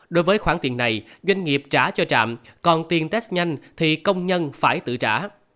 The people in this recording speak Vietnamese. đối với khoản tiền này doanh nghiệp trả cho trạm còn tiền test nhanh thì công nhân phải tự trả